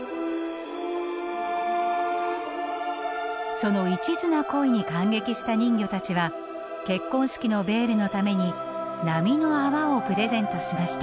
その一途な恋に感激した人魚たちは結婚式のベールのために波の泡をプレゼントしました。